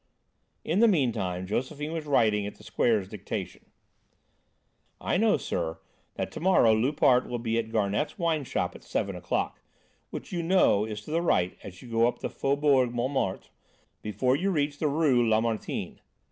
In the meantime Josephine was writing at the Square's dictation: "I know, sir, that to morrow Loupart will be at Garnet's wine shop at seven o'clock, which you know is to the right as you go up the Faubourg Montmartre, before you reach the Rue Lamartine.